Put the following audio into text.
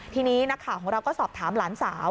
ทีนี้นักข่าวของเราก็สอบถามหลานสาว